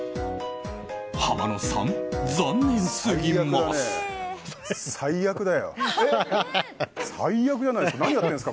浜野さん、残念すぎます。